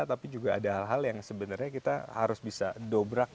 tapi juga ada hal hal yang sebenarnya kita harus bisa dobrak